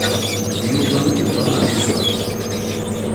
D Yuba ay yebɣa ad iẓer.